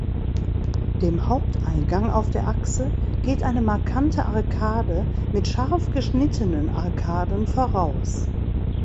Dem Haupteingang auf der Achse geht eine markante Arkade mit scharf geschnittenen Arkaden voraus.